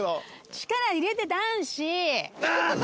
力入れて男子！